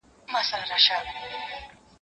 زه به سبا د درسونو يادوم..